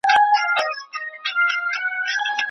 موږ د شاګردانو د څيړني شعور ارزوو.